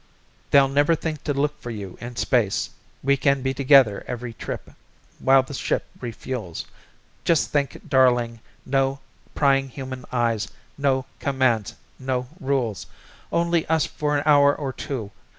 They'll never think to look for you in space, we can be together every trip while the ship refuels. Just think, darling, no prying human eyes, no commands, no rules only us for an hour or two.